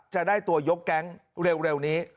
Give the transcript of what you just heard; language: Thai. จะได้ตัวยกแก๊งเร็วนี้